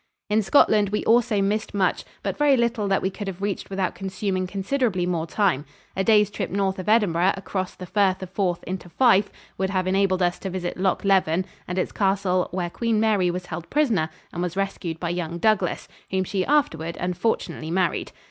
In Scotland we also missed much, but very little that we could have reached without consuming considerably more time. A day's trip north of Edinburgh, across the Firth of Forth into Fife, would have enabled us to visit Loch Leven and its castle, where Queen Mary was held prisoner and was rescued by young Douglas, whom she afterward unfortunately married.